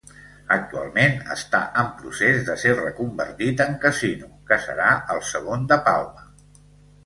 Actualment està en procés de ser reconvertit en casino, que serà el segon de Palma.